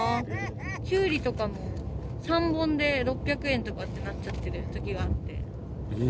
キュウリとかも３本で６００円とかってなっちゃってるときがあっえー。